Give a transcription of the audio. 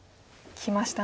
きましたね。